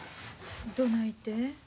どないて？